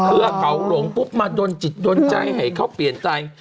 เพื่อเขาหลงปุ๊บมาดนจิตดนใจให้เขาเปลี่ยนใจ